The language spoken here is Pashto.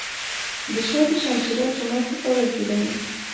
د شاه دوشمشیره جومات په کابل کې دی